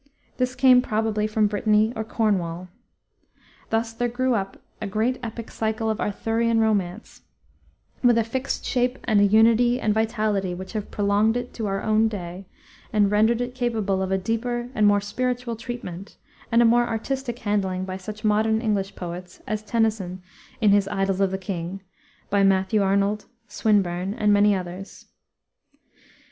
This came probably from Brittany or Cornwall. Thus there grew up a great epic cycle of Arthurian romance, with a fixed shape and a unity and vitality which have prolonged it to our own day and rendered it capable of a deeper and more spiritual treatment and a more artistic handling by such modern English poets as Tennyson in his Idyls of the King, by Matthew Arnold, Swinburne, and many others.